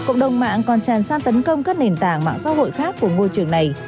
cộng đồng mạng còn tràn sát tấn công các nền tảng mạng xã hội khác của môi trường này